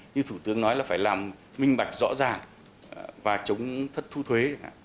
như thủ tướng nói là phải làm minh bạch rõ ràng và chống thất thu thuế